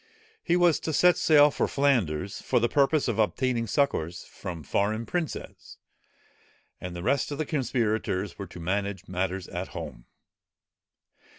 He was to set sail for Flanders, for the purpose of obtaining succours from foreign princes; and the rest of the conspirators were to manage matters at home.